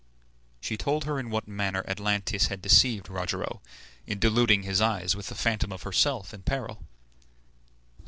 She told her in what manner Atlantes had deceived Rogero, in deluding his eyes with the phantom of herself in peril.